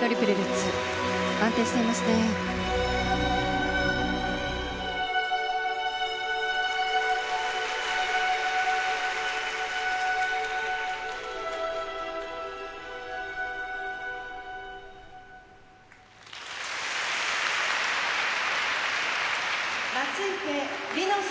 トリプルルッツ安定していますね松生理乃さん